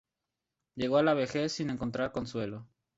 Llegó a la vejez sin encontrar consuelo.